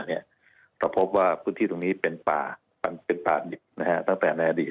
เราพบว่าพื้นที่ตรงนี้เป็นป่าตั้งแต่ในอดีต